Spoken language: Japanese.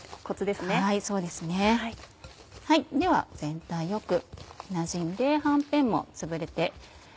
では全体よくなじんではんぺんもつぶれて。